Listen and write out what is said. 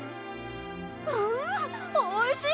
うんおいしい！